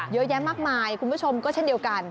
เยอะแยะมากมายคุณผู้ชมก็เช่นเดียวกัน